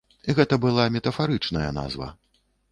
Гэта была метафарычная назва.